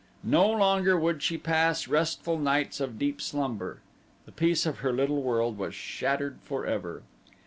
No longer would she pass restful nights of deep slumber. The peace of her little world was shattered forever.